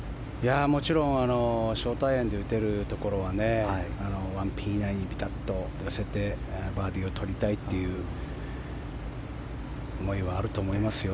もちろんショートアイアンで打てるところは１ピン以内にビタッと寄せてバーディーを取りたいという思いはあると思いますよ。